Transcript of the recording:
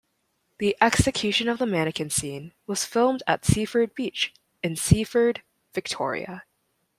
The "execution of the mannequin" scene was filmed at Seaford Beach in Seaford, Victoria.